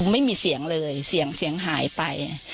ไม่มีเสียงเลยเสียงหายไป